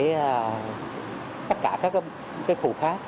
để tất cả các khu khác